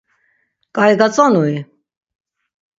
Ǩai gatzonui?